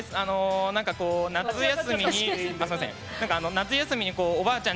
夏休みにおばあちゃん